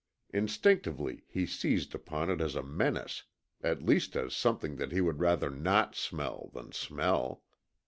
Instinctively he seized upon it as a menace at least as something that he would rather NOT smell than smell.